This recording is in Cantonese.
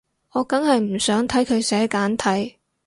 我梗係唔想睇佢寫簡體